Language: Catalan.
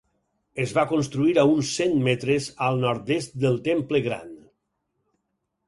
Es va construir a uns cent metres al nord-est del temple gran.